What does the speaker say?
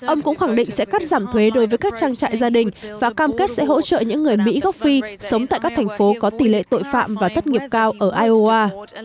ông cũng khẳng định sẽ cắt giảm thuế đối với các trang trại gia đình và cam kết sẽ hỗ trợ những người mỹ gốc phi sống tại các thành phố có tỷ lệ tội phạm và thất nghiệp cao ở iowa